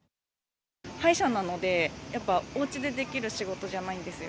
歯医者なので、やっぱおうちでできる仕事じゃないんですよ。